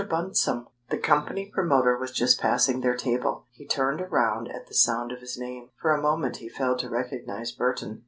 Bunsome!" The company promoter was just passing their table. He turned around at the sound of his name. For a moment he failed to recognize Burton.